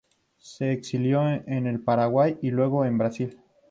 Se exilió en el Paraguay y luego en Brasil.